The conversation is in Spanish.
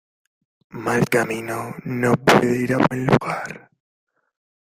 Mal camino no puede ir a buen lugar.